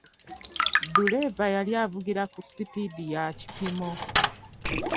Duleeva yali avugira ku sipiidi ya kipimo.